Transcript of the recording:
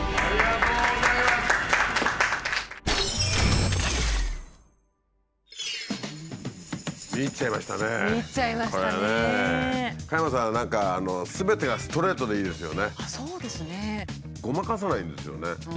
ごまかさないんですよね。